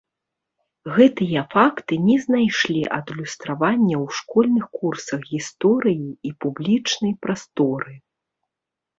Гэтыя факты не знайшлі адлюстравання ў школьных курсах гісторыі і публічнай прасторы.